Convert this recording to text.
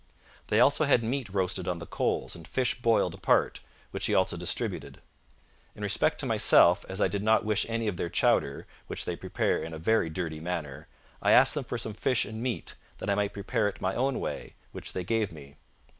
They also had meat roasted on the coals and fish boiled apart, which he also distributed. In respect to myself, as I did not wish any of their chowder, which they prepare in a very dirty manner, I asked them for some fish and meat, that I might prepare it my own way, which they gave me.